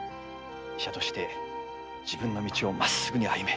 医者として自分の道をまっすぐに歩め。